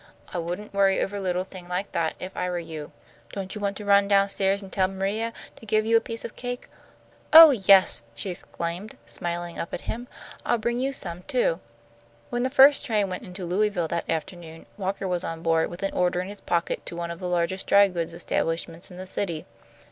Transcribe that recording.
"I wouldn't worry over a little thing like that if I were you. Don't you want to run down stairs and tell M'ria to give you a piece of cake?" "Oh, yes," she exclaimed, smiling up at him. "I'll bring you some, too." When the first train went into Louisville that afternoon, Walker was on board with an order in his pocket to one of the largest dry goods establishments in the city.